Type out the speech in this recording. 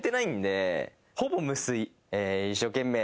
一生懸命。